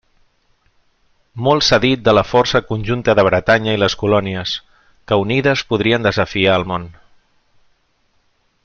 Molt s'ha dit de la força conjunta de Bretanya i les colònies, que unides podrien desafiar el món.